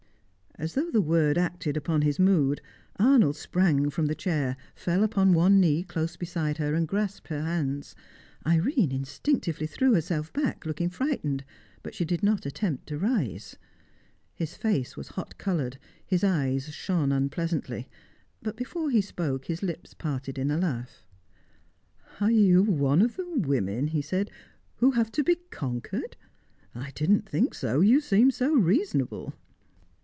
As though the word acted upon his mood, Arnold sprang forward from the chair, fell upon one knee close beside her, and grasped her hands. Irene instinctively threw herself back, looking frightened; but she did not attempt to rise. His face was hot coloured, his eyes shone unpleasantly; but before he spoke, his lips parted in a laugh. "Are you one of the women," he said, "who have to be conquered? I didn't think so. You seemed so reasonable."